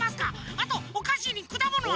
あとおかしにくだものは。